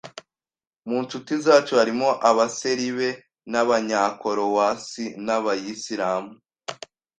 Mu nshuti zacu, harimo Abaseribe n'Abanyakorowasi n'Abayisilamu